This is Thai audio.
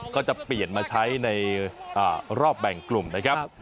ก็จะเปลี่ยนมาใช้ในรอบแบ่งกลุ่มนะครับ